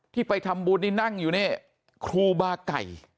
ที่ไปทำบุญนี่นั่งอยู่นี่ครูบาไก่